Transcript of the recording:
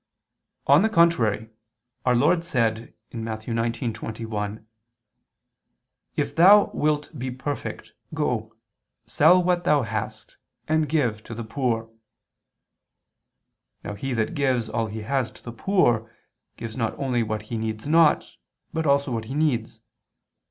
On the contrary, Our Lord said (Matt. 19:21): "If thou wilt be perfect, go, sell what thou hast, and give to the poor." Now he that gives all he has to the poor, gives not only what he needs not, but also what he needs.